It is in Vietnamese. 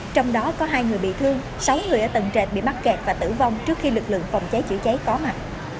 trong đó có hai người bị thương sáu người ở tầng trệt bị mắc kẹt và tử vong trước khi lực lượng phòng cháy chữa cháy có mặt